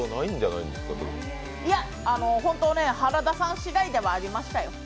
いや、ホントね、原田さんしだいではありましたよ。